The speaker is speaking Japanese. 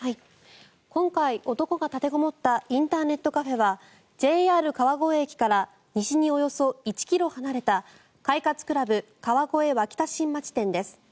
今回、男が立てこもったインターネットカフェはＪＲ川越駅から西におよそ１ｋｍ離れた快活ＣＬＵＢ川越脇田新町店です。